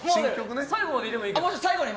最後までいればいいのに。